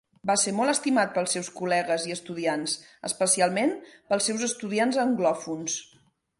Va ser molt estimat pels seus col·legues i estudiants, especialment pels seus estudiants anglòfons.